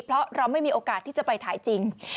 เพราะเราไม่มีโอกาสที่จะไปถ่ายจริง